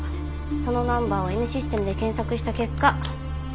そのナンバーをＮシステムで検索した結果。